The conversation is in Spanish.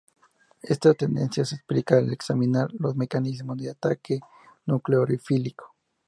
Esta tendencia se explica al examinar los mecanismos de ataque nucleofílico.